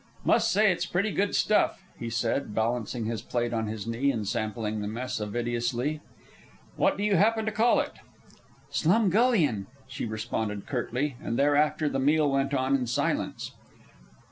"Must say it's pretty good stuff," he said, balancing his plate on his knee and sampling the mess avidiously. "What do you happen to call it?" "Slumgullion," she responded curtly, and thereafter the meal went on in silence.